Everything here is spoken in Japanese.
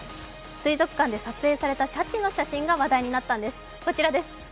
水族館で撮影されたシャチの写真が話題になったんです。